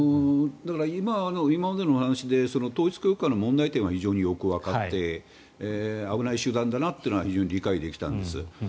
だから今までのお話で統一教会の問題点は非常によくわかって危ない集団だなというのは非常に理解できたんです。